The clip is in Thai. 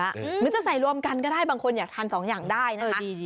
หรือจะใส่รวมกันก็ได้บางคนอยากทานสองอย่างได้นะคะ